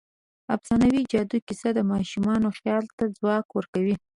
د افسانوي جادو کیسه د ماشومانو خیال ته ځواک ورکوي.